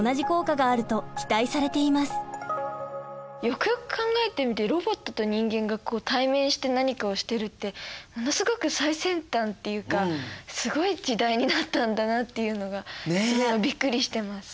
よくよく考えてみてロボットと人間が対面して何かをしてるってものすごく最先端っていうかすごい時代になったんだなっていうのがすごいびっくりしてます。